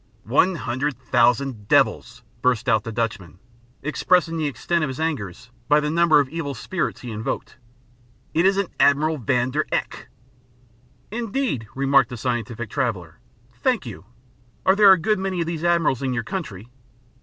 "One hundred thousand devils!" burst out the Dutchman, expressing the extent of his anger by the number of evil spirits he invoked "It is an Admiral van der Eyck!" "Indeed?" remarked the scientific traveller, "thank you. Are there a good many of these admirals in your country?"